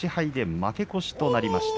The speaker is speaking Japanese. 負け越しとなりました。